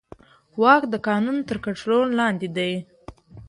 واک د قانون تر کنټرول لاندې دی.